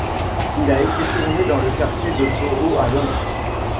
Il a été tourné dans le quartier de Soho à Londres.